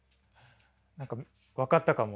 何か分かったかも。